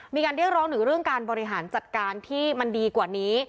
มีการเรียกร้องถึงเรื่องการบริหารจัดการที่มันดีกว่านี้